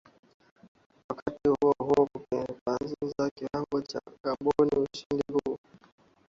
wakati huohuo kupunguza kiwango cha kaboni Ushindi huu